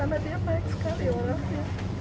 karena dia baik sekali orangnya